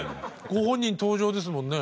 ご本人登場ですもんね。